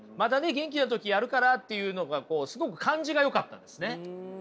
元気な時やるからっていうのがすごく感じがよかったですね。